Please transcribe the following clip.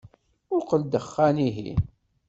Muqel ddexan-ihin.